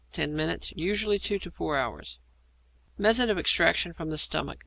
_ Ten minutes; usually two to four hours. _Method of Extraction from the Stomach.